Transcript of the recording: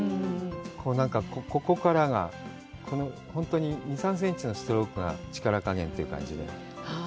ここからが、本当に２３センチのストロークが、力かげんという感じ。